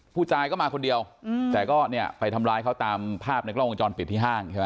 ผู้ตายก็มาคนเดียวแต่ก็เนี่ยไปทำร้ายเขาตามภาพในกล้องวงจรปิดที่ห้างใช่ไหม